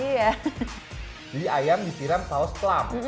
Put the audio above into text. jadi ayam disiram saus plak